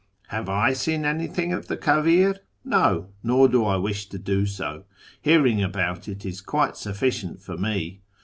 " Have I seen anything of the Tcavir ? ISTo, nor do I wish to do so ; hearing about it is quite sufficient for me.